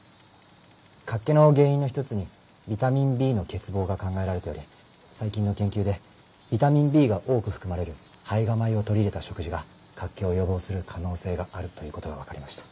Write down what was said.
脚気の原因の一つにビタミンＢの欠乏が考えられており最近の研究でビタミンＢが多く含まれる胚芽米を取り入れた食事が脚気を予防する可能性があるという事がわかりました。